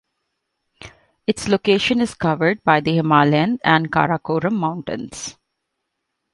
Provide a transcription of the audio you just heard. Its location is covered by the Himalayan and Karakoram mountains.